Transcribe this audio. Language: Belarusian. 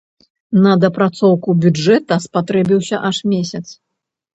На дапрацоўку бюджэта спатрэбіўся аж месяц.